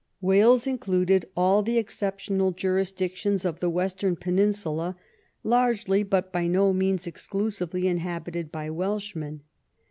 Wales included all the exceptional jurisdictions of the western peninsula, largely but by no means ex clusively inhabited by Welshmen.